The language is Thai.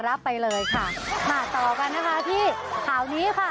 รับไปเลยค่ะมาต่อกันนะคะที่ข่าวนี้ค่ะ